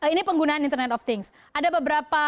ini penggunaan internet of things ada beberapa